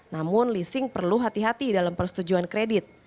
namun leasing perlu hati hati dalam persetujuan kredit